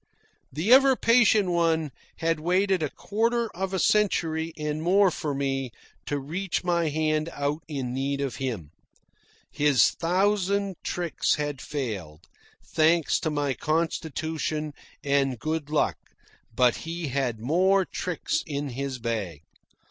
The ever patient one had waited a quarter of a century and more for me to reach my hand out in need of him. His thousand tricks had failed, thanks to my constitution and good luck, but he had more tricks in his bag.